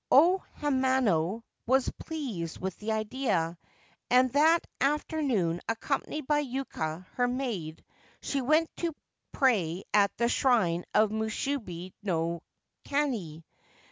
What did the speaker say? O Hanano was pleased with the idea, and that after noon, accompanied by Yuka, her maid, she went to pray at the shrine of Musubi no Kami.